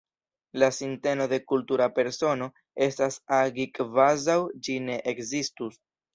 La sinteno de kultura persono estas agi kvazaŭ ĝi ne ekzistus.